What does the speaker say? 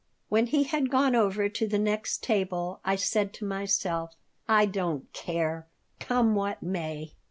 When he had gone over to the next table I said to myself: "I don't care. Come what may."